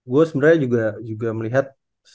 gue sebenarnya juga melihat